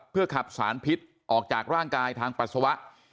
เพื่อขับสารพิษออกจากร่างกายทางปัสสาวะ